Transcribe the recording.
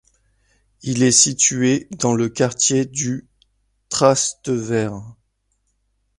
Il est situé dans le quartier du Trastevere.